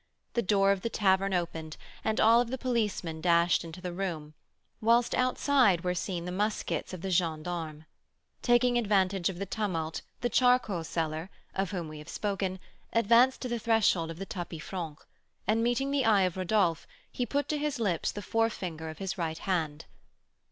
The door of the tavern opened, and all of the policemen dashed into the room, whilst, outside, were seen the muskets of the gens d'armes. Taking advantage of the tumult, the charcoal seller, of whom we have spoken, advanced to the threshold of the tapis franc, and, meeting the eye of Rodolph, he put to his lips the forefinger of his right hand.